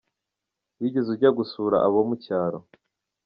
Wigeze ujya gusura abo mu cyaro?.